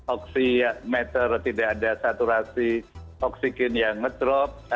oksi meter tidak ada saturasi oksigen yang ngedrop